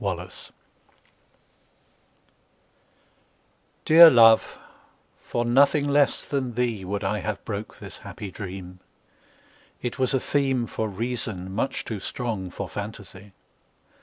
The Dream DEAR love, for nothing less than theeWould I have broke this happy dream; It was a themeFor reason, much too strong for fantasy.